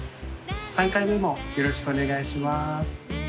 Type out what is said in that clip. ３回目もよろしくお願いします。